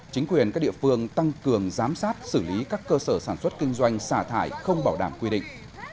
chính quyền các địa phương tăng cường giám sát xử lý các cơ sở sản xuất kinh doanh xả thải không bảo đảm quy định